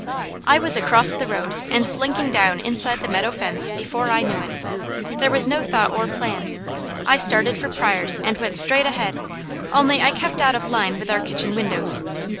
I was across the road and slinking down inside the meadow fence before I knew it. There was no thought or plan. I started for Pryors' and went straight ahead, only I kept out of line with our kitchen windows.